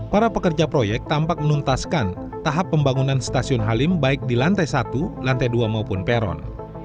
para pekerja proyek tampak menuntaskan tahap pembangunan stasiun halim baik di lantai satu lantai dua maupun peron